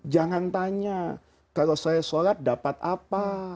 jangan tanya kalau saya sholat dapat apa